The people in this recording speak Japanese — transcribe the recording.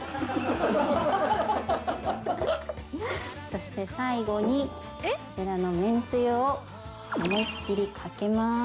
そして最後にこちらの麺つゆを思いっ切り掛けまーす。